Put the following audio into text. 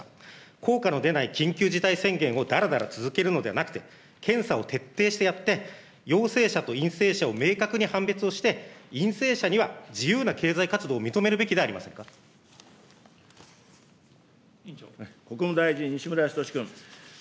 効果の出ない緊急事態宣言をだらだら続けるのではなくて、検査を徹底してやって、陽性者と陰性者を明確に判別をして、陰性者には自由な経済活動を認めるべきでは国務大臣、西村康稔君。